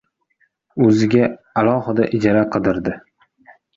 O‘ziga alohida ijara qidirdi.